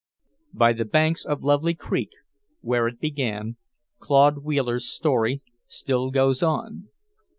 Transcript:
By the banks of Lovely Creek, where it began, Claude Wheeler's story still goes on.